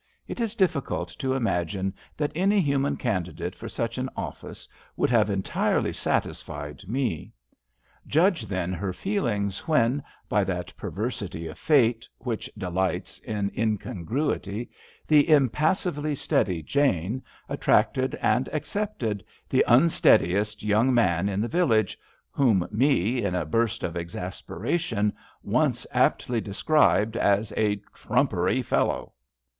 It is difficult to imagine that any human candidate for such an office would have entirely satisfied 84 JANE AND ME Me. Judge then her feelings when, by that perversity of fate, which delights in incon gruity, the impassively steady Jane attracted and accepted the unsteadiest young man in the village, whom Me, in a burst of exasperation once aptly described as a " trumpery fellow."